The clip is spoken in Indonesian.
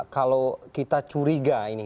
kalau kita curiga ini